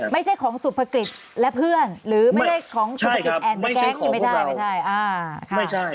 ไม่ใช่ของสุขภกฤตและเพื่อนหรือไม่ใช่ของสุขภกฤตแอนด์เตอร์แก๊งไม่ใช่